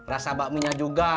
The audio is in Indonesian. rasa bakminya juga